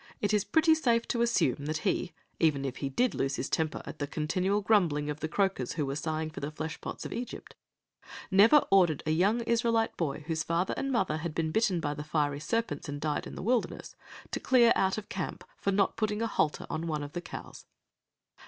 It is pretty safe to assume that he, even if he did lose his temper at the continual grumbling of the croakers who were sighing for the flesh pots of Egypt, never ordered a young Israelite boy whose father and mother had been bitten by the fiery serpents and died in the wilderness, to clear out of camp for not putting a halter on one of the cows."